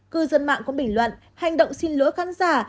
cư dân mạng có bình luận hành động xin lỗi khán giả